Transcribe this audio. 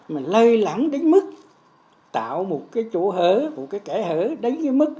mà lây lẳng đến mức tạo một cái chủ hở một cái kẻ hở đến mức